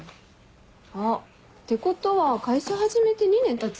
あってことは会社始めて２年たつ？